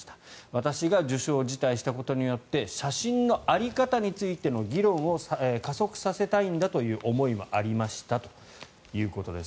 私が受賞辞退したことによって写真の在り方についての議論を加速させたいんだという思いもありましたということです。